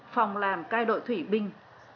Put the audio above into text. phòng làm cai đội thủy binh